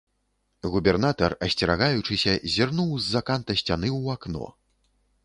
Губернатар, асцерагаючыся, зірнуў з-за канта сцяны ў акно.